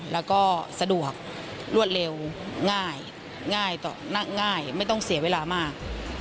แล้วก็สะดวกรวดเร็วง่ายไม่ต้องเสียเวลามาก